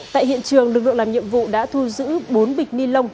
tại hiện trường lực lượng làm nhiệm vụ đã thu giữ bốn bịch ni lông